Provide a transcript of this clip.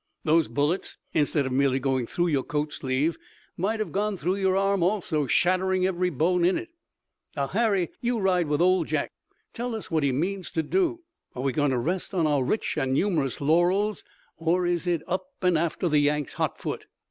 Those bullets, instead of merely going through your coat sleeve, might have gone through your arm also, shattering every bone in it. Now, Harry, you ride with Old Jack. Tell us what he means to do. Are we going to rest on our rich and numerous laurels, or is it up and after the Yanks hot foot?"